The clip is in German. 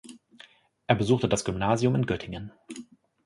Er besuchte das Gymnasium in Göttingen.